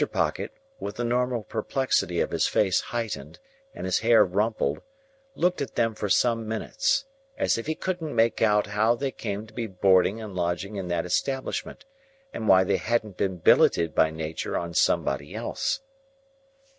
Pocket, with the normal perplexity of his face heightened and his hair rumpled, looked at them for some minutes, as if he couldn't make out how they came to be boarding and lodging in that establishment, and why they hadn't been billeted by Nature on somebody else.